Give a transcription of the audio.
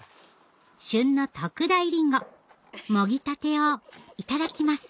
旬の特大りんごもぎたてをいただきます